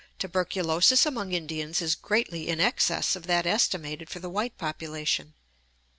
Tuberculosis among Indians is greatly in excess of that estimated for the white population.